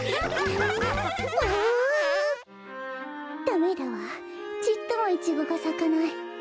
ダメだわちっともイチゴがさかない。